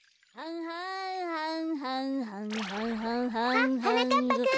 あっはなかっぱくん。